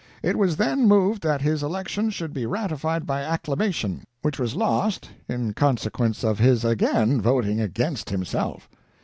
It was then moved that his election should be ratified by acclamation, which was lost, in consequence of his again voting against himself.